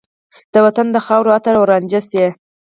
د وطن د خاورو عطر او رانجه شي